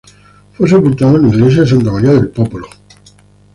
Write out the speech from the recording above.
Fue sepultado en la iglesia de Santa Maria del Popolo.